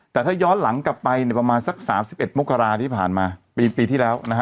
แต่ถ้าย้อนหลังกลับไปเนี่ยประมาณสัก๓๑มกราที่ผ่านมาปีที่แล้วนะฮะ